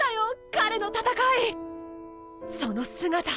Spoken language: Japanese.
彼の戦いその姿！